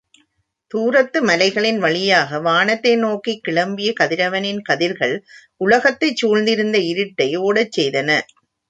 துரத்து மலைகளின் வழியாக வானத்தை நோக்கிக் கிளம்பிய கதிரவ்னின் கதிர்கள் உலகத்தைச் சூழ்ந்திருந்த இருட்டை ஓடச் பதன.